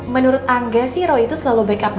menurut angga sih roy itu selalu backup data datanya ya